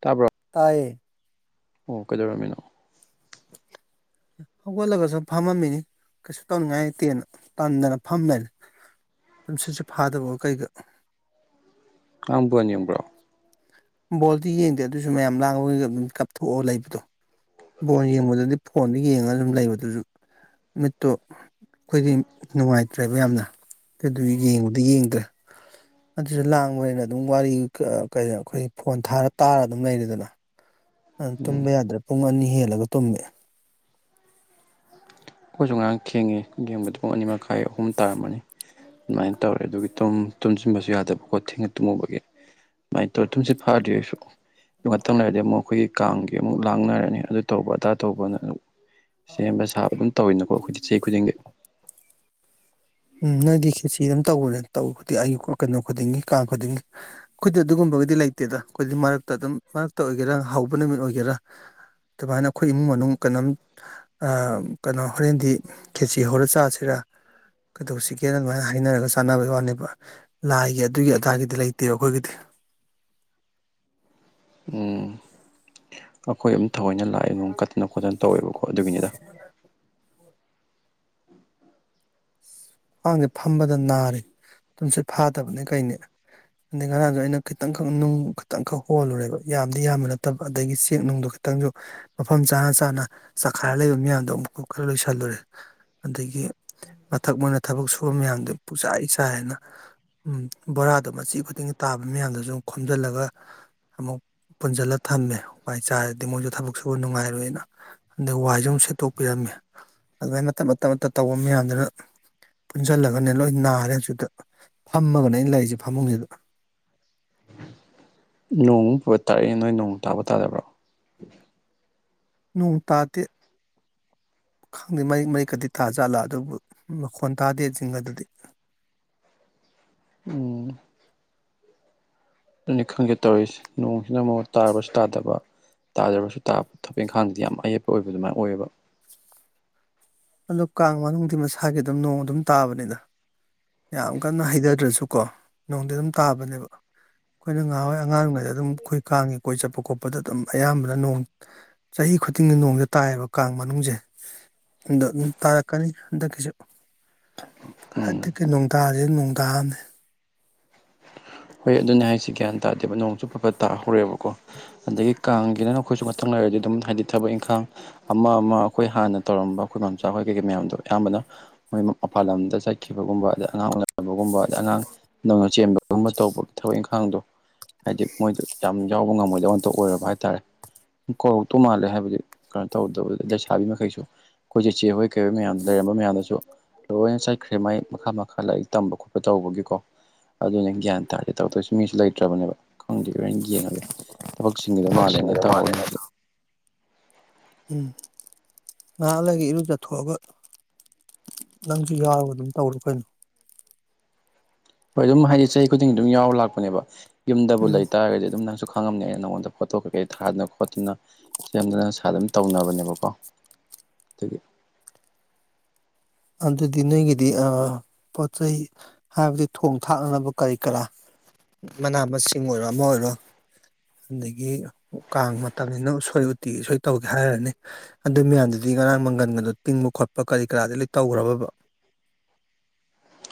ꯇꯥꯕꯔꯣ ꯇꯥꯏꯌꯦ ꯑꯣ ꯀꯩꯗꯧꯔꯝꯃꯤꯅꯣ [unintelligible] ꯍꯧꯒꯠꯂꯒꯁꯨꯝ ꯐꯝꯃꯝꯃꯤꯅꯤ ꯀꯩꯁꯨ ꯇꯧꯅꯤꯡꯉꯥꯏ ꯂꯩꯇꯦꯅ ꯇꯟꯗꯅ ꯐꯝ ꯂꯩꯔꯦ ꯇꯨꯝ ꯁꯤꯠꯁꯨ ꯐꯥꯗꯕ ꯀꯩꯒ ꯉꯔꯥꯡ ꯕꯣꯜ ꯌꯦꯡꯕ꯭ꯔꯣ ꯕꯣꯜꯗꯤ ꯌꯦꯡꯗꯦ ꯑꯗꯨꯁꯨ ꯃꯌꯥꯝ ꯂꯥꯡꯉꯒ ꯑꯗꯨꯝ ꯃꯤꯀꯥꯞꯊꯣꯛꯑ ꯂꯩꯕꯗꯣ ꯕꯣꯟ ꯌꯦꯡꯕꯗꯗꯤ ꯐꯣꯟꯗ ꯌꯦꯡꯉꯒ ꯑꯗꯨꯝ ꯂꯩꯕꯗꯨꯁꯨ ꯃꯤꯠꯇꯣ ꯑꯩꯈꯣꯏꯗꯤ ꯅꯨꯡꯉꯥꯏꯇ꯭ꯔꯦꯕ ꯌꯥꯝꯅ ꯑꯗꯨ ꯌꯦꯡꯕꯗꯤ ꯌꯦꯡꯗ꯭ꯔꯦ ꯑꯗꯨꯁꯨ ꯂꯥꯡꯕꯅꯤꯅ ꯑꯗꯨꯝ ꯋꯥꯔꯤ ꯀ ꯑꯩꯈꯣꯏ ꯐꯣꯟ ꯊꯥꯔ ꯇꯥꯔ ꯑꯗꯨꯝ ꯂꯩꯔꯦꯗꯅ ꯇꯨꯝꯕ ꯎꯝ ꯌꯥꯗ꯭ꯔꯦ ꯄꯨꯡ ꯑꯅꯤ ꯍꯦꯜꯂꯒ ꯇꯨꯝꯃꯦ ꯑꯩꯈꯣꯏꯁꯨ ꯉꯔꯥꯡ ꯊꯦꯡꯉꯤ ꯌꯦꯡꯕꯗꯨ ꯄꯨꯡ ꯑꯅꯤ ꯃꯈꯥꯏ ꯑꯍꯨꯝ ꯇꯥꯔꯝꯃꯅꯤ ꯑꯗꯨꯃꯥꯏꯅ ꯇꯧꯔꯦ ꯑꯗꯨꯒꯤ ꯇꯨꯝꯁꯤꯟꯕꯁꯨ ꯌꯥꯗꯕꯀꯣ ꯊꯦꯡꯉ ꯇꯨꯝꯃꯨꯕꯒꯤ ꯑꯗꯨꯃꯥꯏꯅ ꯇꯧꯔꯦ ꯊꯨꯝꯁꯤꯠ ꯐꯥꯗꯔꯤ ꯑꯩꯁꯨ ꯉꯥꯛꯇꯪ ꯂꯩꯔꯗꯤ ꯑꯃꯨꯛ ꯑꯩꯈꯣꯏꯒꯤ ꯀꯥꯡꯒꯤ ꯑꯃꯨꯛ ꯂꯥꯡꯅꯔꯅꯤ ꯑꯗꯨ ꯇꯧꯕ ꯑꯗꯥ ꯇꯧꯕꯅ ꯁꯦꯝꯕ ꯁꯥꯕ ꯑꯗꯨꯝ ꯇꯧꯋꯤꯅꯀꯣ ꯑꯩꯈꯣꯏꯗꯤ ꯆꯍꯤ ꯈꯨꯗꯤꯡꯒꯤ ꯎꯝ ꯅꯣꯏꯗꯤ ꯈꯦꯠꯁꯤ ꯑꯗꯨꯝ ꯇꯧꯕꯅꯦ ꯇꯧꯕꯗꯤ ꯑꯩꯒꯤ ꯀꯩꯅꯣ ꯈꯨꯗꯤꯡꯒꯤ ꯀꯥꯡ ꯈꯨꯗꯤꯡꯒꯤ ꯑꯩꯈꯣꯏꯗꯤ ꯑꯗꯨꯒꯨꯝꯕꯒꯤꯗꯤ ꯂꯩꯇꯦꯗ ꯑꯩꯈꯣꯏꯗꯤ ꯃꯔꯛꯇ ꯑꯗꯨꯝ ꯃꯔꯛꯇ ꯑꯣꯏꯒꯦꯔꯥ ꯍꯧꯕ ꯅꯨꯃꯤꯠ ꯑꯣꯏꯒꯦꯔꯥ ꯑꯗꯨꯃꯥꯏꯅ ꯑꯩꯈꯣꯏ ꯏꯃꯨꯡ ꯃꯅꯨꯡ ꯀꯩꯅꯣꯝ ꯀꯩꯅꯣ ꯍꯣꯔꯦꯟꯗꯤ ꯈꯦꯆꯤ ꯍꯧꯔ ꯆꯥꯁꯤꯔ ꯀꯩꯗꯧꯁꯤꯒꯦꯅ ꯑꯗꯨꯃꯥꯏꯅ ꯍꯥꯏꯅꯔꯒ ꯆꯥꯟꯅꯕꯩ ꯋꯥꯅꯦꯕ ꯂꯥꯏꯒꯤ ꯑꯗꯨꯒꯤ ꯑꯗꯥꯒꯤꯗꯤ ꯂꯩꯇꯦꯕ ꯑꯩꯈꯣꯏꯒꯤꯗꯤ ꯎꯝ ꯑꯩꯈꯣꯏ ꯑꯗꯨꯝ ꯊꯑꯣꯏꯅ ꯂꯥꯢ ꯅꯣꯡ ꯀꯠꯇꯅ ꯈꯣꯠꯇꯅ ꯇꯧꯋꯦꯕꯀꯣ ꯑꯗꯨꯒꯤꯅꯤꯗ ꯃꯤꯠꯄꯥꯟꯁꯤ ꯐꯝꯕꯗ ꯅꯥꯔꯦ ꯇꯨꯝ ꯁꯤꯠ ꯐꯥꯗꯕꯅꯤ ꯀꯩꯅꯤ ꯑꯗꯒꯤ ꯉꯔꯥꯡꯁꯨ ꯑꯩꯅ ꯈꯤꯇꯪ ꯈꯛ ꯅꯨꯡ ꯈꯤꯇꯪ ꯈꯛ ꯍꯣꯜꯂꯨꯔꯦꯕ ꯌꯥꯝꯗꯤ ꯌꯥꯝꯕ ꯅꯠꯇꯕ ꯑꯗꯒꯤ ꯆꯦꯛ ꯅꯨꯡꯗꯣ ꯈꯤ ꯈꯤꯇꯪꯁꯨ ꯃꯐꯝ ꯆꯥꯅ ꯆꯥꯅ ꯆꯈꯥꯏꯔ ꯂꯩꯕ ꯃꯤꯌꯥꯝꯗꯣ ꯑꯃꯨꯛꯀ ꯈꯔ ꯂꯣꯏꯁꯤꯜꯂꯨꯔꯦ ꯑꯗꯒꯤ ꯃꯊꯛ ꯃꯣꯏꯅ ꯊꯕꯛ ꯁꯨꯕ ꯃꯌꯥꯝꯗꯣ ꯄꯨꯆꯥꯏ ꯆꯥꯏ ꯍꯥꯏꯅ ꯎꯝ ꯕꯣꯔꯥꯗꯣ ꯃꯆꯤ ꯈꯨꯗꯤꯡꯒꯤ ꯇꯥꯕ ꯃꯌꯥꯝꯗꯁꯨ ꯈꯣꯝꯖꯤꯜꯂꯒ ꯑꯃꯨꯛ ꯄꯨꯟꯁꯤꯜꯂ ꯊꯝꯃꯦ ꯋꯥꯏ ꯆꯥꯔꯗꯤ ꯃꯣꯏꯁꯨ ꯊꯕꯛ ꯁꯨꯕ ꯅꯨꯡꯉꯥꯏꯔꯣꯏꯅ ꯑꯗꯩ ꯋꯥꯏꯁꯨ ꯑꯗꯨꯝ ꯁꯦꯠꯇꯣꯛꯄꯤꯔꯝꯃꯤ ꯑꯗꯨꯃꯥꯏꯅ ꯃꯇꯥꯠ ꯃꯇꯥꯠ ꯇꯧꯕ ꯃꯌꯥꯝꯗꯨꯅ ꯄꯨꯟꯁꯤꯜꯂꯒꯅꯦ ꯂꯣꯏ ꯅꯥꯔꯦ ꯍꯧꯖꯤꯛꯗ ꯐꯝꯃꯒꯅꯦ ꯑꯩꯅ ꯂꯩꯔꯤꯁꯦ ꯐꯃꯨꯡꯁꯤꯗ ꯅꯣꯡꯃꯨꯛ ꯄꯨꯔ ꯇꯥꯔꯛꯏ ꯅꯣꯡ ꯇꯥꯕ ꯇꯥꯗꯕ꯭ꯔꯣ ꯅꯣꯡ ꯇꯥꯇꯦ ꯈꯪꯗꯦ ꯃꯔꯤꯛ ꯃꯔꯤꯛꯀꯗꯤ ꯇꯥꯖꯥꯠꯂ ꯑꯗꯨꯕꯨ ꯃꯈꯣꯟ ꯇꯥꯗꯦ ꯆꯤꯡ ꯒꯗꯗꯤ ꯎꯝ ꯑꯗꯨꯅꯤ ꯈꯪꯒꯦ ꯇꯧꯔꯤꯁꯦ ꯅꯣꯡꯁꯤꯅ ꯑꯃꯨ ꯇꯥꯔꯕꯁꯨ ꯇꯥꯗꯕ ꯇꯥꯗꯕꯔꯁꯨ ꯇꯥꯕ ꯊꯕꯛ ꯏꯪꯈꯥꯡꯗꯤ ꯌꯥꯝ ꯑꯌꯦꯠꯄ ꯑꯣꯏꯕ ꯑꯗꯨꯃꯥꯏ ꯑꯣꯏꯌꯦꯕ ꯑꯗꯣ ꯀꯥꯡ ꯃꯅꯨꯡꯗꯗꯤ ꯃꯁꯥꯒꯤ ꯑꯗꯨꯝ ꯅꯣꯡ ꯑꯗꯨꯝ ꯇꯥꯕꯅꯤꯗ ꯌꯥꯝ ꯀꯟꯅ ꯍꯩꯗꯗ꯭ꯔꯁꯨꯀꯣ ꯅꯣꯡꯗꯤ ꯑꯗꯨꯝ ꯇꯥꯕꯅꯦꯕ ꯑꯩꯈꯣꯏꯅ ꯉꯥꯍꯥꯟꯋꯥꯢ ꯑꯉꯥꯡꯑꯣꯢꯉꯩꯗ ꯑꯗꯨꯝ ꯈꯣꯏ ꯀꯥꯡꯉꯤ ꯀꯣꯏ ꯆꯠꯄ ꯈꯣꯠꯄꯗ ꯑꯗꯨꯝ ꯑꯌꯥꯝꯕꯅ ꯅꯣꯡ ꯆꯍꯤ ꯈꯨꯗꯤꯡꯒꯤ ꯅꯣꯡꯗ ꯇꯥꯏꯌꯦꯕ ꯀꯥꯡ ꯃꯅꯨꯡꯁꯦ ꯑ ꯑꯗꯨꯝ ꯇꯥꯔꯛꯀꯅꯤ ꯍꯟꯗꯛꯀꯤꯁꯨ ꯎꯝ ꯍꯟꯗꯛꯀꯤ ꯅꯣꯡ ꯇꯥꯁꯤ ꯅꯨꯡꯗꯥꯡꯅꯦ ꯍꯣꯏ ꯑꯗꯨꯅꯦ ꯍꯥꯏꯁꯤ ꯒ꯭ꯌꯥꯟ ꯇꯥꯗꯦꯕ ꯅꯣꯡ ꯆꯨ ꯐꯐꯠ ꯇꯥꯍꯧꯔꯦꯕꯀꯣ ꯑꯗꯒꯤ ꯀꯥꯡꯒꯤꯗꯅ ꯑꯩꯈꯣꯏꯁꯨ ꯉꯇꯪ ꯂꯩꯔꯗꯤ ꯑꯗꯨꯝ ꯍꯥꯏꯗꯤ ꯊꯕꯛ ꯏꯪꯈꯥꯡ ꯑꯃ ꯑꯃ ꯑꯈꯣꯏ ꯍꯥꯟꯅ ꯇꯧꯔꯝꯕ ꯑꯩꯈꯣꯏ ꯃꯝꯆꯥ ꯍꯣꯏ ꯀꯩꯀꯩ ꯃꯌꯥꯝꯗꯣ ꯑꯌꯥꯝꯕꯅ ꯃꯣꯏ ꯃ ꯄꯥꯟ ꯂꯝꯗ ꯆꯠꯈꯤꯕꯒꯨꯝꯕ ꯑꯗꯩ ꯑꯉꯥꯡ ꯎꯅꯕꯒꯨꯝꯕ ꯑꯗꯩ ꯑꯉꯥꯡ ꯅꯧꯅ ꯆꯦꯟꯕ ꯇꯧꯕ ꯊꯕꯛ ꯏꯪꯈꯥꯡꯗꯣ ꯍꯥꯏꯗꯤ ꯃꯣꯏꯗꯣ ꯌꯥꯝ ꯌꯥꯎꯕ ꯉꯝꯃꯣꯏꯗꯕ ꯑꯃꯇ ꯑꯣꯏꯔꯕ ꯍꯥꯏꯇꯥꯔꯦ ꯀꯧꯔꯣꯛ ꯇꯧ ꯃꯥꯜꯂꯦ ꯍꯥꯏꯕꯗꯤ ꯀꯩꯅꯣ ꯇꯧꯗꯕꯩ ꯂꯩꯁꯥꯕꯤ ꯃꯈꯩꯁꯨ ꯑꯩꯈꯣꯏ ꯆꯦꯆꯦ ꯍꯣꯏ ꯀꯩ ꯍꯣꯏ ꯃꯌꯥꯝ ꯂꯩꯔꯝꯕ ꯃꯌꯥꯝꯗꯁꯨ ꯂꯣꯏꯅ ꯆꯠꯈ꯭ꯔꯦ ꯃꯥꯏ ꯃꯈꯥ ꯃꯈꯥ ꯂꯥꯏꯔꯤꯛ ꯇꯝꯕ ꯈꯣꯠꯄ ꯇꯧꯕꯒꯤꯀꯣ ꯑꯗꯨꯅꯦ ꯒ꯭ꯌꯥꯟ ꯍꯥꯏꯇꯥꯥꯔꯗꯤ ꯇꯧꯛꯇꯣꯏꯁꯨ ꯃꯤꯁꯨ ꯂꯩꯇ꯭ꯔꯕꯅꯦꯕ ꯈꯪꯗꯦ ꯂꯣꯏꯅ ꯌꯦꯡꯉꯒꯦ ꯊꯕꯛꯁꯤꯡꯗꯨꯗꯣ ꯃꯥꯜꯂꯦꯅ ꯑꯩ ꯇꯧꯍꯧꯔꯅꯤ ꯍꯧꯖꯤꯛ ꯎꯝ ꯉꯥꯏꯍꯥꯛꯂꯗꯒꯤ ꯏꯔꯨ ꯆꯠꯊꯣꯛꯑꯒ ꯅꯪꯁꯨ ꯌꯥꯎꯔꯒ ꯑꯗꯨꯝ ꯇꯧꯔꯣ ꯀꯩꯅꯣ ꯍꯣꯏ ꯑꯗꯨꯝ ꯍꯥꯏꯗꯤ ꯆꯍꯤ ꯈꯨꯗꯤꯡꯒꯤ ꯑꯗꯨꯝ ꯌꯥꯎꯔ ꯂꯥꯛꯄꯅꯦꯕ ꯌꯨꯝꯗꯕꯨ ꯎꯝ ꯂꯩꯇꯥꯥꯔꯒꯗꯤ ꯑꯗꯨꯝ ꯅꯪ ꯈꯪꯉꯝꯅꯦ ꯑꯩꯅ ꯅꯪꯉꯣꯟꯗ ꯐꯣꯇꯣ ꯀꯩꯀꯩ ꯊꯥꯗꯅ ꯈꯣꯠꯇꯅ ꯁꯦꯝꯗꯅ ꯏꯁꯥ ꯑꯗꯨꯝ ꯇꯧꯅꯕꯅꯦꯕꯀꯣ ꯊꯒꯤꯦ ꯑꯗꯨꯗꯤ ꯅꯣꯏꯒꯤꯗꯤ ꯄꯣꯠ ꯆꯩ ꯍꯥꯏꯕꯗꯤ ꯊꯣꯡ ꯊꯥꯛꯅꯅꯕ ꯀꯔꯤ ꯀꯔꯥ ꯃꯅꯥ ꯃꯁꯤꯡ ꯑꯣꯏꯔꯣ ꯑꯃ ꯑꯣꯏꯔꯣ ꯑꯗꯒꯤ ꯀꯥꯡ ꯃꯇꯝꯅꯤꯅ ꯎꯁꯣꯏ ꯎꯇꯤ ꯁꯣꯏ ꯇꯧꯒꯦ ꯍꯥꯏꯔꯅꯤ ꯑꯗꯨ ꯃꯌꯥꯝꯗꯨꯗꯤ ꯉꯔꯥꯡ ꯃꯪꯒꯟꯒꯗꯣ ꯇꯤꯡꯕ ꯈꯣꯠꯄ ꯀꯔꯤ ꯀꯔꯥꯗꯤ ꯂꯣꯏ ꯇꯧꯒꯔꯕꯕ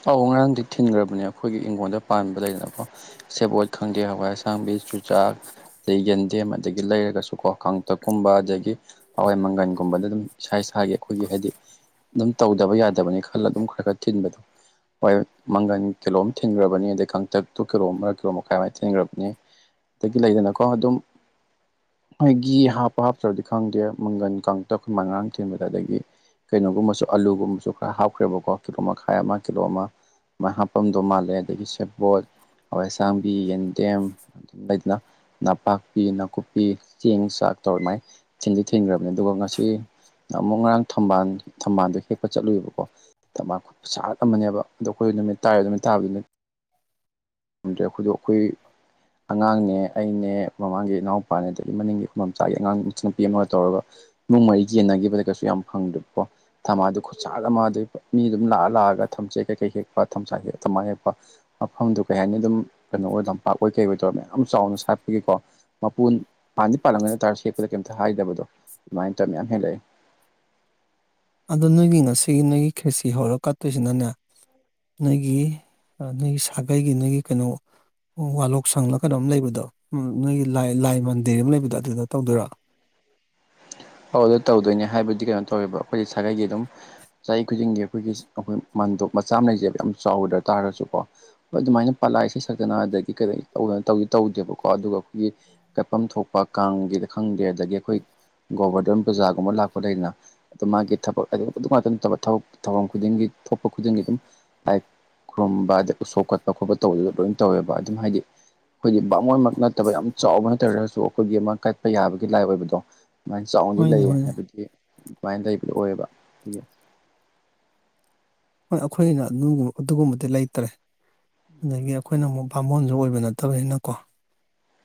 ꯑꯧ ꯉꯔꯥꯡꯗꯤ ꯊꯤꯟꯒꯔꯕꯅꯦ ꯑꯩꯈꯣꯏꯒꯤ ꯏꯪꯒꯣꯟꯗ ꯄꯥꯟꯕ ꯂꯩꯗꯅꯀꯣ ꯁꯦꯕꯣꯠ ꯈꯪꯗꯦ ꯍꯋꯥꯏ ꯑꯁꯥꯡꯕꯤ ꯆꯨꯖꯥꯛ ꯑꯇꯩ ꯌꯦꯟꯗꯦꯝ ꯑꯗꯒꯤ ꯂꯩꯔꯒꯁꯨ ꯀꯣ ꯀꯥꯡꯇꯛꯀꯨꯝꯕ ꯑꯗꯒꯤ ꯍꯋꯥꯏ ꯃꯪꯒꯜꯒꯨꯝꯕꯗ ꯑꯗꯨꯝ ꯏꯁꯥ ꯏꯁꯥꯒꯤ ꯑꯩꯈꯣꯏꯒꯤ ꯍꯥꯏꯗꯤ ꯑꯗꯨꯝ ꯇꯧꯗꯕ ꯌꯥꯗꯕꯅꯤ ꯈꯜꯂ ꯑꯗꯨꯝ ꯈꯔ ꯈꯔ ꯊꯤꯟꯕꯗꯣ ꯍꯣꯏ ꯃꯪꯒꯟ ꯀꯤꯂꯣꯝ ꯊꯤꯟꯒꯔꯕꯅꯤ ꯑꯗꯩ ꯀꯥꯡꯇꯛꯇꯨ ꯀꯤꯂꯣ ꯑꯝꯃ ꯀꯤꯂꯣꯝ ꯃꯈꯥꯏꯋꯥꯏ ꯊꯤꯟꯈ꯭ꯔꯕꯅꯤ ꯗꯒꯤ ꯂꯩꯗꯅꯀꯣ ꯑꯗꯨꯝ ꯍꯣꯏ ꯘꯤ ꯍꯥꯞꯄ ꯍꯥꯞꯇ꯭ꯔꯕꯗꯤ ꯈꯪꯗꯦ ꯃꯪꯒꯟ ꯀꯥꯡꯇꯛ ꯑꯩꯈꯣꯏꯃꯥ ꯉꯥꯔꯥꯡ ꯊꯤꯟꯕꯗ ꯑꯗꯒꯤ ꯀꯩꯅꯣꯒꯨꯝꯕꯁꯨ ꯑꯥꯂꯨꯒꯨꯝꯕꯁꯨ ꯈꯔ ꯍꯥꯞꯈ꯭ꯔꯦꯕꯀꯣ ꯀꯤꯂꯣ ꯃꯈꯥꯏ ꯑꯃ ꯀꯤꯂꯣ ꯑꯃ ꯑꯃꯥꯏ ꯍꯥꯞꯄꯝꯗꯣ ꯃꯥꯜꯂꯦ ꯑꯗꯒꯤ ꯁꯦꯕꯣꯠ ꯍꯋꯥꯏꯁꯥꯡꯕꯤ ꯌꯦꯟꯗꯦꯝ ꯂꯩꯥꯗꯅ ꯅꯄꯥꯛꯄꯤ ꯅꯥꯀꯨꯞꯄꯤ ꯆꯦꯡ ꯆꯥꯛ ꯇꯧꯔ ꯑꯃꯥꯏ ꯊꯤꯟꯗꯤ ꯊꯤꯟꯈ꯭ꯔꯕꯅꯦ ꯑꯗꯨꯒ ꯉꯁꯤ ꯑꯃꯨꯛ ꯉꯔꯥꯡ ꯊꯝꯕꯥꯜ ꯊꯝꯕꯥꯜꯗꯣ ꯍꯦꯛꯄ ꯆꯠꯂꯨꯏꯦꯕꯀꯣ ꯊꯝꯕꯥꯜ ꯈꯨꯁꯥꯠ ꯑꯃꯅꯦꯕ ꯑꯗꯣ ꯑꯩꯈꯣꯏ ꯅꯨꯃꯤꯠ ꯇꯥꯔꯦꯗꯅ ꯇꯥꯕꯗꯤ ꯅꯨꯃꯤꯠ ꯃꯔꯝꯗꯤ ꯑꯩꯈꯣꯏꯗꯣ ꯑꯩꯈꯣꯏ ꯑꯉꯥꯡꯅꯦ ꯑꯩꯅꯦ ꯃꯃꯥꯡꯒꯤ ꯏꯅꯥꯎꯄꯥꯅꯦ ꯑꯗꯒꯤ ꯃꯅꯤꯡꯒꯤ ꯈꯨꯃꯝꯆꯥꯒꯤ ꯑꯉꯥꯡ ꯃꯆꯟꯅꯨꯄꯤ ꯑꯃꯒ ꯇꯧꯔꯒ ꯏꯃꯨꯡ ꯃꯔꯤ ꯌꯦꯟꯅꯒꯤꯕꯗ ꯀꯩꯁꯨ ꯌꯥꯝ ꯐꯪꯗꯦꯀꯣ ꯊꯝꯚꯥꯟꯗꯨ ꯈꯨꯠꯁꯥꯠ ꯑꯃ ꯑꯗꯨꯒꯤ ꯃꯤ ꯑꯗꯨꯝ ꯂꯥꯛꯑ ꯂꯥꯛꯑꯒ ꯊꯝꯆꯦꯠ ꯀꯩꯀꯩ ꯍꯦꯛꯄ ꯊꯝꯆ ꯊꯝꯚꯥꯟ ꯍꯦꯛꯄ ꯃꯐꯝꯗꯨ ꯀꯩ ꯍꯥꯏꯅꯤ ꯑꯗꯨꯝ ꯀꯩꯅꯣ ꯑꯣꯏ ꯂꯝꯄꯥꯛ ꯑꯣꯏ ꯀꯩ ꯑꯣꯏꯇꯧꯔꯥ ꯃꯌꯥꯝ ꯆꯥꯎꯅ ꯁꯥꯠꯄꯒꯤꯀꯣ ꯃꯄꯨꯟ ꯄꯥꯟꯗꯤ ꯄꯥꯜꯂꯝꯒꯅꯤ ꯑꯇꯥꯔꯁꯨ ꯁꯦꯛꯄꯗ ꯀꯩꯝꯇ ꯍꯥꯏꯗꯕꯗꯣ ꯑꯗꯨꯃꯥꯏ ꯇꯧꯔ ꯃꯌꯥꯝ ꯍꯦꯜꯂꯛꯑꯦ ꯑꯗꯣ ꯅꯣꯏꯒꯤ ꯉꯁꯤꯒꯤ ꯅꯣꯏꯒꯤ ꯈꯦꯆꯤ ꯍꯧꯔ ꯀꯠꯇꯣꯏꯁꯤꯅꯅꯦ ꯅꯣꯏꯒꯤ ꯑ ꯅꯣꯏꯒꯤ ꯁꯥꯒꯩꯒꯤ ꯅꯣꯏꯒꯤ ꯀꯩꯅꯣ ꯑꯣ ꯋꯥꯂꯣꯛ ꯁꯪꯂ ꯀꯩꯅꯣꯝ ꯂꯩꯕꯗꯣ ꯎꯝ ꯅꯣꯏꯒꯤ ꯂꯥꯏ ꯂꯥꯏ ꯃꯟꯗꯤꯔ ꯑꯃ ꯂꯩꯕꯗꯣ ꯑꯗꯨꯗ ꯇꯧꯗꯣꯏꯔꯥ ꯇꯧꯗꯤ ꯇꯧꯗꯣꯏꯅꯦ ꯍꯥꯏꯕꯗꯤ ꯀꯩꯅꯣ ꯇꯧꯋꯦꯕ ꯑꯩꯈꯣꯏꯒꯤ ꯁꯥꯒꯩꯒꯤ ꯑꯗꯨꯝ ꯆꯍꯤ ꯈꯨꯗꯤꯡꯒꯤ ꯑꯩꯈꯣꯏꯒꯤ ꯑꯁꯤ ꯑꯩꯈꯣꯏ ꯃꯥꯟꯗꯣꯞ ꯃꯆꯥ ꯑꯝ ꯂꯩꯖꯦ ꯌꯥꯝ ꯆꯥꯎꯗ꯭ꯔ ꯇꯥꯔꯁꯨꯀꯣ ꯑꯗꯨꯃꯥꯏꯅ ꯄꯂꯥ ꯏꯁꯩ ꯁꯛꯇꯅ ꯑꯗꯒꯤ ꯀꯔꯤ ꯇꯧꯗꯅ ꯇꯧꯗꯤ ꯇꯧꯗꯦꯕꯀꯣ ꯑꯗꯨꯒ ꯑꯩꯈꯣꯏꯒꯤ ꯀꯠꯐꯝ ꯊꯣꯛꯄ ꯀꯥꯡꯒꯤꯗ ꯈꯪꯗꯦ ꯑꯗꯒꯤ ꯑꯩꯈꯣꯏ ꯒꯣꯕꯔꯗꯣꯟꯚꯨꯖꯒꯨꯝꯕ ꯂꯥꯛꯄ ꯂꯩꯗꯅꯥ ꯑꯗꯨ ꯃꯥꯒꯤ ꯊꯕꯛ ꯍꯥꯏꯗꯤ ꯑꯗꯨ ꯉꯥꯛꯇ ꯅꯠꯇꯕ ꯊꯕꯛ ꯊꯧꯔꯝ ꯈꯨꯗꯤꯡꯒꯤ ꯊꯣꯛꯄ ꯈꯨꯗꯤꯡꯒꯤ ꯑꯗꯨꯝ ꯍꯥꯏ ꯈꯨꯔꯨꯝꯕꯥꯗꯤ ꯎꯁꯣꯞ ꯀꯠꯄ ꯈꯣꯠꯄ ꯇꯧꯕꯗꯨꯗ ꯂꯣꯏꯅ ꯇꯧꯋꯦꯕ ꯑꯗꯨꯝ ꯍꯥꯏꯗꯤ ꯑꯩꯈꯣꯏꯒꯤ ꯕꯥꯃꯣꯟꯃꯛ ꯅꯠꯇꯕ ꯌꯥꯝ ꯆꯥꯎꯕ ꯅꯠꯇꯔꯒꯁꯨ ꯑꯩꯈꯣꯏꯒꯤ ꯑꯃ ꯀꯠꯄ ꯌꯥꯕꯒꯤ ꯂꯥꯏ ꯑꯣꯏꯕꯗꯣ ꯑꯗꯨꯃꯥꯏꯅ ꯆꯥꯎꯅꯗꯤ ꯍꯣꯏꯅꯦ ꯂꯩꯌꯦ ꯍꯣꯏꯅꯦ ꯍꯥꯏꯕꯗꯤ ꯑꯗꯨꯃꯥꯏꯅ ꯂꯩꯕꯗꯣ ꯑꯣꯏꯌꯦꯕ ꯑꯗꯨꯒꯤ ꯍꯣꯏ ꯑꯩꯈꯣꯏꯅ ꯑꯗꯨꯒꯨꯝ ꯑꯗꯨꯒꯨꯝꯕꯗꯤ ꯂꯩꯇ꯭ꯔꯦ ꯑꯗꯒꯤ ꯑꯩꯈꯣꯏꯅ ꯑꯃꯨꯛ ꯚꯥꯝꯃꯣꯟꯁꯨ ꯑꯣꯏꯕ ꯅꯠꯇꯕꯅꯤꯅꯀꯣ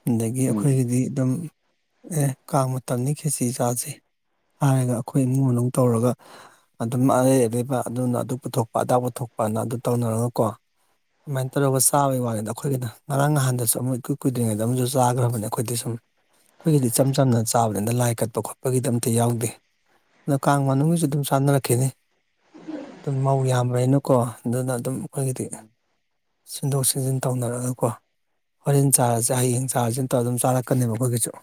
ꯑꯗꯒꯤ ꯎꯝ ꯑꯩꯈꯣꯏꯒꯤꯗꯤ ꯑꯗꯨꯝ ꯑꯦ ꯀꯥꯡ ꯃꯇꯝꯅꯤ ꯈꯦꯆꯤ ꯆꯥꯁꯦ ꯍꯥꯏꯔꯒ ꯑꯩꯈꯣꯏ ꯏꯃꯨꯡ ꯃꯅꯨꯡ ꯇꯧꯔꯒ ꯑꯗꯨꯝ ꯑꯔꯩ ꯑꯔꯩꯕ ꯑꯗꯨꯅ ꯑꯗꯨꯛ ꯄꯨꯊꯣꯛꯄ ꯑꯗꯥ ꯄꯨꯊꯣꯛꯄꯅ ꯑꯗꯨ ꯇꯧꯅꯔꯒ ꯀꯣ ꯑꯗꯨꯃꯥꯏꯅ ꯇꯧꯔꯒ ꯆꯥꯕꯩ ꯋꯥꯅꯤꯗ ꯑꯩꯈꯣꯏꯒꯤꯅ ꯉꯔꯥꯡ ꯅꯍꯥꯟꯗꯁꯨ ꯑꯃꯨꯛ ꯏꯀꯨꯏ ꯀꯨꯏꯗ꯭ꯔꯤꯉꯩꯗ ꯑꯃꯁꯨ ꯆꯥꯈ꯭ꯔꯕꯅꯤ ꯑꯩꯈꯣꯏꯗꯤ ꯁꯨꯝ ꯑꯩꯈꯣꯏꯒꯤꯗꯤ ꯏꯆꯝ ꯆꯝꯅ ꯆꯥꯕꯅꯤꯗ ꯂꯥꯏ ꯀꯠꯄ ꯈꯣꯠꯄꯒꯤꯗꯤ ꯑꯝꯇ ꯌꯥꯎꯗꯦ ꯑꯗꯣ ꯀꯥꯡ ꯃꯅꯨꯡꯒꯤꯁꯨ ꯑꯗꯨꯝ ꯆꯥꯟꯅꯔꯛꯈꯤꯅꯤ ꯑꯗꯨꯝ ꯃꯧ ꯌꯥꯝꯕꯅꯤꯅꯀꯣ ꯑꯗꯨꯅ ꯑꯗꯨꯝ ꯑꯩꯈꯣꯏꯒꯤꯗꯤ ꯁꯤꯟꯗꯣꯛ ꯁꯤꯖꯤꯟ ꯇꯧꯅꯔꯒꯀꯣ ꯍꯣꯔꯦꯟ ꯆꯥꯔꯁꯦ ꯍꯌꯦꯡ ꯆꯥꯔꯖꯦ ꯇꯧꯔ ꯑꯗꯨꯝ ꯆꯥꯔꯛꯀꯅꯦꯕ ꯑꯈꯣꯏꯒꯤꯁꯨ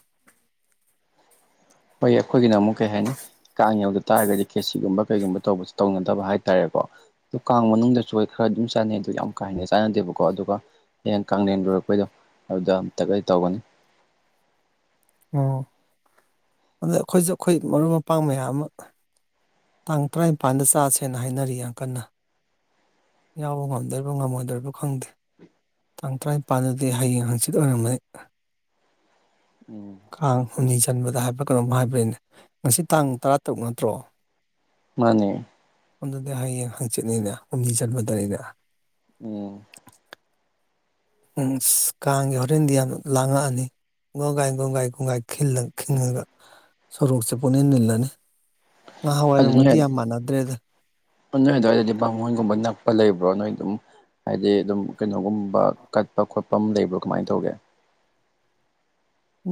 ꯍꯣꯏꯌꯦ ꯑꯩꯈꯣꯏꯒꯤꯅ ꯑꯃꯨꯛ ꯀꯩ ꯍꯥꯏꯅꯤ ꯀꯥꯡ ꯌꯧꯒꯤ ꯇꯥꯔꯒꯗꯤ ꯈꯦꯆꯤꯒꯨꯝꯕ ꯀꯩꯒꯨꯝꯕ ꯇꯧꯕꯖꯦ ꯇꯧꯅꯗꯕ ꯍꯥꯏꯇꯥꯔꯦꯀꯣ ꯗꯣ ꯀꯥꯡ ꯃꯅꯨꯡꯗ ꯆꯣꯏ ꯈꯔ ꯑꯗꯨꯝ ꯆꯥꯅꯩ ꯑꯗꯨ ꯌꯥꯝ ꯀꯥ ꯍꯦꯟꯅ ꯆꯥꯟꯅꯗꯦꯕꯀꯣ ꯑꯗꯨꯒ ꯍꯌꯦꯡ ꯀꯥꯡꯂꯦꯟ ꯂꯣꯏꯔꯛꯄꯩꯗꯣ ꯑꯗꯨꯗ ꯑꯃꯝꯇꯒ ꯇꯧꯒꯅꯤ ꯑꯣ ꯑꯗꯣ ꯑꯩꯈꯣꯏꯖꯨ ꯑꯩꯈꯣꯏ ꯃꯔꯨꯞ ꯃꯄꯥꯡ ꯃꯌꯥꯝ ꯑꯃ ꯇꯥꯡ ꯇꯔꯥꯏꯟꯄꯥꯟꯗ ꯆꯥꯁꯦꯅ ꯍꯥꯏꯅꯔꯤ ꯌꯥꯝ ꯀꯟꯅ ꯌꯥꯎꯕ ꯉꯝꯗꯣꯏꯔꯤꯕ ꯉꯝꯃꯣꯏꯗꯣꯏꯔꯤꯕ ꯈꯪꯗꯦ ꯇꯥꯡ ꯇꯔꯥꯏꯟꯄꯥꯟꯗꯨꯗꯤ ꯍꯌꯦꯡ ꯍꯪꯆꯤꯠ ꯑꯣꯏꯔꯝꯒꯅꯤ ꯎꯝ ꯀꯥꯡ ꯍꯨꯝꯅꯤ ꯆꯟꯕꯗ ꯍꯥꯏꯕ꯭ꯔ ꯀꯩꯅꯣꯝ ꯍꯥꯏꯕ꯭ꯔꯤꯅꯦ ꯉꯁꯤ ꯇꯥꯡ ꯇꯔꯥꯇꯔꯨꯛ ꯅꯠꯇ꯭ꯔꯣ ꯃꯥꯅꯦ ꯑꯗꯨꯗꯤ ꯍꯌꯦꯡ ꯍꯪꯆꯤꯠꯅꯤꯅꯦ ꯍꯨꯝꯅꯤ ꯆꯟꯕꯗꯅꯤꯅꯦ ꯎꯝ [unintelligible] ꯀꯥꯡꯒꯤ ꯍꯣꯔꯦꯟꯗꯤ ꯌꯥꯝꯅ ꯂꯥꯡꯉꯛꯑꯅꯤ ꯒꯣꯡꯒꯥꯏ ꯒꯣꯡꯒꯥꯏ ꯒꯣꯡꯒꯥꯏ ꯈꯤꯜꯂꯒ ꯈꯤꯡꯉꯒ ꯁꯣꯔꯣꯛꯁꯦ ꯄꯨꯅꯤꯟ ꯅꯤꯜꯂꯅꯤ ꯑꯗꯨ ꯅꯍꯥꯟꯋꯥꯏꯔꯝꯒꯗꯤ ꯅꯣꯏ ꯌꯥꯝ ꯃꯥꯟꯅꯗ꯭ꯔꯦꯗ ꯅꯣꯏ ꯑꯗꯨꯋꯥꯏꯗꯗꯤ ꯕꯥꯃꯣꯟꯒꯨꯝꯕ ꯅꯛꯄ ꯂꯩꯕ꯭ꯔꯣ ꯅꯣꯏ ꯑꯗꯨꯝ ꯍꯥꯏꯗꯤ ꯑꯗꯨꯝ ꯀꯩꯅꯣꯒꯨꯝꯕ ꯀꯠꯄ ꯈꯣꯠꯄꯝ ꯂꯩꯕ꯭ꯔꯣ ꯀꯃꯥꯏꯅ ꯇꯧꯒꯦ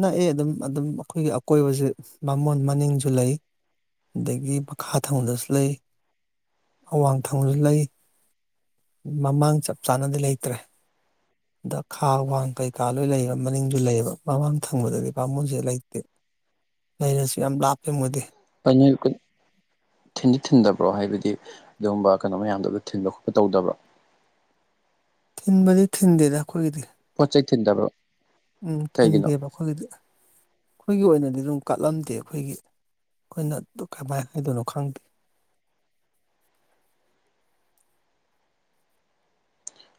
ꯅꯛꯑꯦ ꯑꯗꯨꯝ ꯑꯗꯨꯝ ꯑꯩꯈꯣꯏꯒꯤ ꯑꯀꯣꯏꯕꯁꯦ ꯚꯥꯃꯣꯟ ꯃꯅꯤꯡꯁꯨ ꯂꯩ ꯑꯗꯒꯤ ꯃꯈꯥ ꯊꯪꯕꯗꯁꯨ ꯂꯩ ꯑꯋꯥꯡ ꯊꯪꯕꯗꯁꯨ ꯂꯩ ꯃꯃꯥꯡ ꯆꯞ ꯆꯥꯅꯗꯤ ꯂꯩꯇ꯭ꯔꯦ [inaudible] ꯗ ꯈꯥ ꯋꯥꯡ ꯀꯩꯀꯥ ꯂꯣꯏ ꯂꯩꯕ ꯃꯅꯤꯡꯁꯨ ꯂꯩꯌꯦꯕ ꯃꯃꯥꯡ ꯊꯪꯕꯗꯗꯤ ꯕꯥꯃꯣꯟꯁꯦ ꯂꯩꯇꯦ ꯂꯩꯩꯔꯁꯨ ꯌꯥꯝ ꯂꯥꯞꯄꯦ ꯃꯣꯏꯗꯤ [unintelligible] ꯊꯤꯟꯗꯤ ꯊꯤꯟꯗꯕ꯭ꯔꯣ ꯍꯥꯏꯕꯗꯤ ꯑꯗꯨꯒꯨꯝꯕ ꯀꯩꯅꯣ ꯃꯌꯥꯝꯗꯨ ꯑꯝꯇ ꯊꯤꯟꯕ ꯈꯣꯠꯄ ꯇꯧꯗꯕ꯭ꯔꯣ ꯊꯤꯟꯕꯗꯤ ꯊꯤꯟꯗꯦꯗ ꯑꯩꯈꯣꯏꯒꯤꯗꯤ ꯄꯣꯠ ꯆꯩ ꯊꯤꯟꯗꯕ꯭ꯔꯣ ꯎꯝ ꯀꯩꯒꯤꯅꯣ ꯊꯤꯟꯗꯦꯕ ꯑꯩꯈꯣꯏꯒꯤꯗꯤ ꯑꯩꯈꯣꯏꯒꯤ ꯑꯣꯏꯅꯗꯤ ꯑꯗꯨꯝ ꯀꯠꯂꯝꯗꯦ ꯑꯩꯈꯣꯏꯒꯤ ꯑꯩꯈꯣꯏꯅ ꯀꯃꯥꯏꯅ ꯍꯥꯏꯗꯣꯏꯅꯣ ꯈꯪꯗꯦ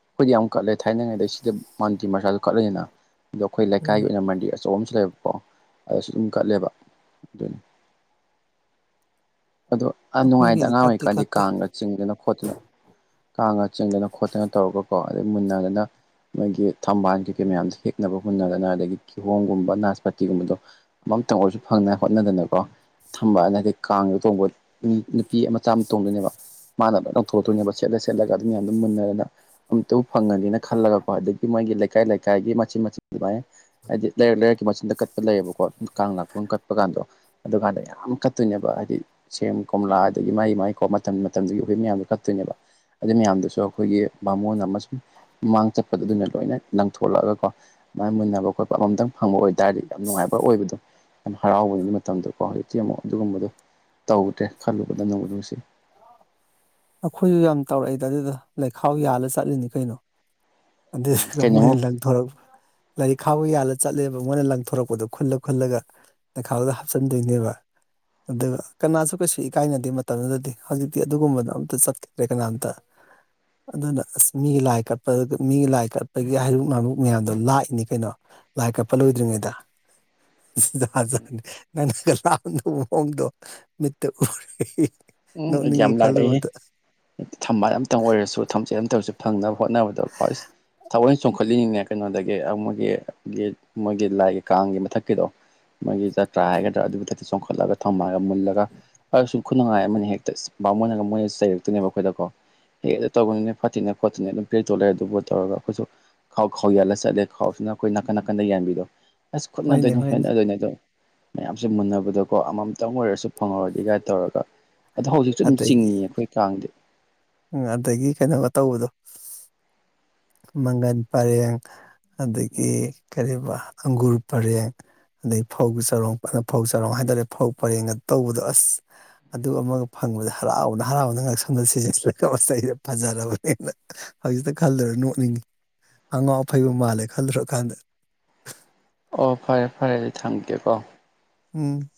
ꯑꯩꯈꯣꯏꯗꯤ ꯌꯥꯝ ꯀꯠꯂꯦ ꯊꯥꯏꯅꯉꯩꯗꯩ ꯁꯤꯗ ꯃꯥꯟꯇꯤꯔ ꯃꯆꯥꯁꯨ ꯀꯠꯂꯅꯤꯅ ꯑꯗꯣ ꯑꯩꯈꯣꯏ ꯂꯩꯀꯥꯏꯒꯤ ꯎꯝ ꯑꯣꯏꯅ ꯃꯟꯗꯤꯔ ꯑꯆꯧ ꯑꯆꯩꯕ ꯑꯃꯁꯨ ꯂꯩꯕꯀꯣ ꯑꯗꯨꯁꯨ ꯑꯗꯨꯝ ꯀꯠꯂꯦꯕ ꯑꯗꯨꯅꯤ ꯑꯗꯣ ꯑꯥ ꯅꯨꯡꯉꯥꯏꯗ ꯑꯩꯈꯣꯏꯒꯤꯗꯤ ꯑꯉꯥꯡ ꯀꯠꯇꯤ ꯑꯣꯏꯔꯤꯀꯥꯟꯗꯤ ꯀꯠꯇꯦ ꯀꯥꯡꯒ ꯆꯤꯡꯗꯅ ꯈꯣꯠꯇꯅ ꯀꯥꯡꯒ ꯆꯤꯡꯗꯅ ꯈꯣꯠꯇꯅ ꯇꯧꯔꯒꯀꯣ ꯑꯗꯩ ꯃꯨꯟꯅꯗꯅ ꯃꯣꯏꯒꯤ ꯊꯝꯕꯥꯜ ꯀꯩꯀꯩ ꯃꯌꯥꯝꯗꯣ ꯍꯦꯛꯅꯕ ꯃꯨꯟꯅꯗꯅ ꯑꯗꯒꯤ ꯀꯤꯍꯣꯝꯒꯨꯝꯕ ꯅꯥꯁꯄꯇꯤꯒꯨꯝꯕꯗꯣ ꯑꯃꯝꯇꯪ ꯑꯣꯏꯔꯁꯨ ꯐꯪꯅꯥꯏ ꯍꯣꯠꯅꯗꯅꯀꯣ ꯊꯝꯕꯥꯜ ꯑꯗꯩ ꯀꯥꯡ ꯇꯣꯡꯕ ꯅꯤ ꯅꯨꯄꯤ ꯃꯆꯥ ꯑꯃ ꯇꯣꯡꯗꯣꯏꯅꯦꯕ ꯃꯥꯥꯅ ꯑꯗꯨꯝ ꯂꯪꯊꯣꯔꯛꯇꯣꯏꯅꯦꯕ ꯁꯦꯠꯂ ꯁꯦꯠꯂꯒ ꯑꯗꯨ ꯃꯌꯥꯝꯗꯨ ꯃꯨꯟꯅꯔꯅ ꯑꯝꯇꯕꯨ ꯐꯪꯉꯅꯤꯅ ꯈꯜꯂꯒꯀꯣ ꯑꯗꯒꯤ ꯃꯣꯏꯒꯤ ꯂꯩꯀꯥꯏ ꯂꯩꯀꯥꯏꯒꯤ ꯃꯆꯤꯠ ꯃꯆꯤꯠ ꯑꯗꯨꯃꯥꯏ ꯍꯥꯏꯗꯤ ꯂꯩꯔꯛ ꯂꯩꯔꯛꯀꯤ ꯃꯆꯤꯟꯗ ꯀꯠꯄ ꯂꯩꯌꯦꯕꯀꯣ ꯑꯗꯨꯝ ꯀꯥꯡ ꯂꯥꯛꯄ ꯑꯗꯨꯝ ꯀꯠꯄ ꯀꯥꯟꯗꯣ ꯑꯗꯨꯀꯥꯟꯗ ꯌꯥꯝ ꯀꯠꯇꯣꯏꯅꯦꯕ ꯍꯥꯏꯗꯤ ꯁꯦꯝ ꯀꯣꯝꯂꯥ ꯑꯗꯒꯤ ꯃꯥꯏ ꯃꯥꯏ ꯀꯣ ꯃꯇꯝ ꯃꯇꯝꯗꯨꯒꯤ ꯎꯍꯩ ꯃꯌꯥꯝꯗꯣ ꯀꯠꯇꯣꯏꯅꯦꯕ ꯑꯗꯨꯏ ꯃꯌꯥꯝꯗꯨꯁꯨ ꯑꯩꯈꯣꯏꯒꯤ ꯕꯥꯃꯣꯟ ꯑꯃꯁꯨꯡ ꯃꯥꯡ ꯆꯠꯄꯗꯨꯗꯨꯅ ꯂꯣꯏꯅ ꯂꯪꯊꯣꯛꯂꯛꯑꯒꯀꯣ ꯃꯥꯏ ꯃꯨꯟꯅꯕ ꯈꯣꯠꯄ ꯑꯃꯃꯝꯇꯪ ꯐꯪꯕ ꯑꯣꯏꯇꯥꯔꯗꯤ ꯌꯥꯝ ꯅꯨꯡꯉꯥꯏꯕ ꯑꯣꯏꯕꯗꯣ ꯌꯥꯝ ꯍꯔꯥꯎꯕꯒꯤ ꯃꯇꯝꯗꯨ ꯀꯣ ꯍꯧꯖꯤꯛꯇꯤ ꯑꯃꯨꯛ ꯑꯗꯨꯒꯨꯝꯕꯗꯣ ꯇꯧꯗ꯭ꯔꯦ ꯈꯜꯂꯨꯕꯗ ꯅꯨꯕꯨ ꯅꯨꯁꯤ ꯑꯩꯈꯣꯏꯁꯨ ꯌꯥꯝ ꯇꯧꯔꯛꯏꯗ ꯑꯗꯨꯗ ꯂꯩꯈꯥꯎ ꯌꯥꯜꯂ ꯆꯠꯂꯤꯅꯤ ꯀꯩꯅꯣ ꯎꯝ [unintelligible] ꯃꯣꯏꯅ ꯀꯩꯅꯣꯃꯨꯛ ꯂꯪ ꯊꯣꯔꯛ ꯂꯥꯏꯔꯤꯛ ꯈꯥꯎꯒ ꯌꯥꯜꯂ ꯆꯠꯂꯦꯕ ꯃꯣꯏꯅ ꯂꯪꯊꯣꯔꯛꯄꯗꯣ ꯈꯨꯜꯂ ꯈꯨꯜꯂꯒ ꯂꯩꯈꯥꯎꯗ ꯍꯥꯞꯆꯟꯗꯣꯏꯅꯦꯕ ꯑꯗꯨꯒ ꯀꯅꯥꯁꯨ ꯀꯩꯁꯨ ꯏꯀꯥꯏꯅꯗꯦ ꯃꯇꯝꯗꯨꯗꯗꯤ ꯍꯧꯖꯤꯛꯇꯤ ꯑꯗꯨꯒꯨꯝꯕꯗꯣ ꯑꯝ ꯇ ꯆꯠꯈꯤꯗ꯭ꯔꯦ ꯀꯅꯥꯝꯇ [inaudible] ꯑꯗꯨꯅ ꯑꯁ ꯃꯤꯒꯤ ꯂꯥꯏ ꯀꯠꯄ ꯑꯗꯨ ꯃꯤꯒꯤ ꯂꯥꯏ ꯀꯠꯄꯒꯤ ꯍꯩꯔꯨꯛ ꯂꯥꯂꯨꯛ ꯃꯌꯥꯝꯗꯣ ꯂꯥꯛꯏꯅꯤ ꯀꯩꯅꯣ ꯂꯥꯏ ꯀꯠꯄ ꯂꯣꯏꯗ꯭ꯔꯤꯉꯩꯗ ꯖꯥꯠ ꯖꯥꯠꯅꯤ ꯅꯪꯅꯒ ꯂꯥꯛꯑꯝꯗꯧ ꯃꯑꯣꯡꯗꯣ ꯃꯤꯠꯇ ꯎꯔꯦ ꯎꯝ ꯑꯩꯗꯤ ꯅꯣꯛꯅꯤꯡꯉꯤ ꯌꯥꯝ ꯂꯥꯛꯂꯩꯍꯦ ꯈꯜꯂꯨꯕꯗ ꯊꯝꯕꯥꯜ ꯑꯃꯇꯪ ꯑꯣꯏꯔꯁꯨ ꯊꯝꯆꯦꯠ ꯑꯃꯇꯪꯔꯁꯨ ꯐꯪꯅꯕ ꯍꯣꯠꯅꯕꯗ ꯍꯣ ꯊꯑꯣꯢ ꯆꯣꯡꯈꯠꯂꯤꯅꯤꯅꯦ ꯀꯩꯅꯣꯗꯒꯤ ꯃꯣꯏꯒꯤ ꯒꯤ ꯃꯣꯏꯒꯤ ꯂꯥꯏꯒꯤ ꯀꯥꯡꯒꯤ ꯃꯊꯛꯀꯤꯗꯣ ꯃꯣꯢꯒꯤ ꯖꯇ꯭ꯔꯥ ꯍꯥꯏꯒꯗ꯭ꯔꯥ ꯑꯗꯨꯒꯤꯗꯛꯇ ꯆꯣꯡꯈꯠꯂꯒ ꯊꯧꯕꯥꯜꯒ ꯃꯨꯜꯂꯒ ꯑꯁꯨ ꯈꯨꯅꯨꯡꯉꯥꯏ ꯑꯃꯅꯤ ꯍꯦꯛꯇ ꯑꯁ ꯃꯣꯏꯅꯒ ꯃꯣꯏꯅꯒ ꯆꯩꯔꯛꯇꯣꯏꯅꯦꯕ ꯑꯩꯈꯣꯏꯗꯀꯣ ꯍꯦꯛ ꯑꯗꯨ ꯇꯧꯒꯅꯨꯅꯦ ꯐꯠꯇꯤꯅꯦ ꯈꯣꯠꯇꯦꯅ ꯑꯗꯨꯝ ꯄꯤꯔꯛ ꯇꯣ ꯂꯩꯔꯗꯨꯕꯣ ꯇꯧꯔꯒ ꯑꯩꯈꯣꯏꯁꯨ ꯈꯥꯎ ꯈꯥꯎ ꯌꯥꯜꯂ ꯆꯠꯂꯦ ꯈꯥꯎꯁꯤꯅ ꯑꯩꯈꯣꯏ ꯅꯥꯀꯟ ꯅꯥꯀꯟꯗ ꯌꯥꯟꯕꯤꯗꯣ ꯑꯁ ꯍꯣꯏꯅꯦ ꯈꯨꯠꯅꯗꯣꯏꯅꯦ ꯍꯣꯏꯅꯦ ꯍꯣꯠꯅꯗꯣꯏꯅꯦ ꯑꯗꯣ ꯃꯌꯥꯝꯁꯦ ꯃꯨꯟꯅꯕꯗꯀꯣ ꯑꯃꯃꯝꯇꯪ ꯑꯣꯏꯔꯁꯨ ꯐꯪꯍꯧꯔꯗꯤ ꯒꯥꯏ ꯇꯧꯔꯒ ꯑꯗꯣ ꯍꯧꯖꯤꯛꯁꯨ ꯑꯗꯨꯝ ꯑꯗꯒꯤ ꯆꯤꯡꯏ ꯑꯩꯈꯣꯏ ꯀꯥꯡꯗꯤ ꯎꯝ ꯑꯗꯒꯤ ꯀꯩꯅꯣꯒ ꯇꯧꯕꯗꯣ ꯃꯪꯒꯟ ꯄꯔꯦꯡ ꯑꯗꯒꯤ ꯎꯝ ꯀꯔꯤꯌꯦꯕ ꯑꯪꯒꯨꯔ ꯄꯔꯦꯡ ꯑꯗꯩ ꯐꯧ ꯆꯔꯣꯡ ꯐꯧ ꯆꯥꯔꯣꯡ ꯍꯥꯏꯇꯥꯔꯦ ꯐꯧ ꯄꯔꯦꯡꯒ ꯇꯧꯕꯗꯣ ꯑꯁ ꯑꯗꯨ ꯑꯃꯒ ꯐꯪꯕꯗ ꯍꯔꯥꯎꯕꯗ ꯍꯔꯥꯎꯕꯗ ꯉꯛꯁꯝꯗ ꯁꯤꯖꯤꯟꯂꯒ ꯃꯆꯩꯁꯤꯗ ꯐꯖꯔꯕꯅꯦꯅ ꯍꯧꯖꯤꯛꯇ ꯈꯜꯂꯨꯔ ꯅꯣꯛꯅꯤꯡꯉꯤ ꯑꯉꯥꯎ ꯑꯐꯩꯕꯨ ꯃꯥꯜꯂꯦ ꯈꯜꯂꯨꯔꯀꯥꯟꯗ ꯑꯣ ꯐꯔꯦ ꯐꯔꯦ ꯑꯩꯗꯤ ꯊꯝꯒꯤꯒꯦꯀꯣ ꯎꯝ